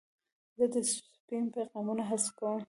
زه د سپیم پیغامونه حذف کوم.